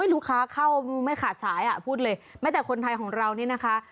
ลูกค้าเข้าไม่ขาดสายพูดเลยแม้แต่คนไทยของเรานี่นะคะ